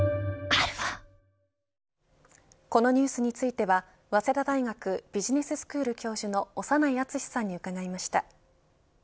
このニュースについては早稲田大学ビジネススクール教授の長内厚さんに伺いました。